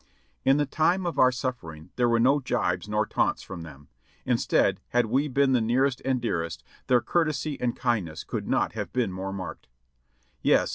In the time of our suffering there were no jibes nor taunts from them ; instead, had we been the nearest and dearest, their courtesy and kindness could not have been more marked. Yes